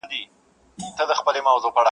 که تر شاتو هم خواږه وي ورک دي د مِنت خواړه سي,